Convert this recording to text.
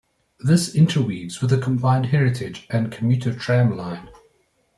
This interweaves with a combined heritage and commuter tramline.